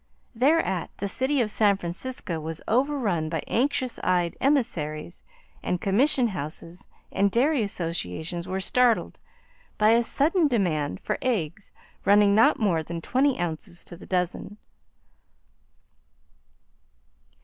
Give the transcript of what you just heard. Thereat the city of San Francisco was overrun by anxious eyed emissaries, and commission houses and dairy associations were startled by a sudden demand for eggs running not more than twenty ounces to the dozen.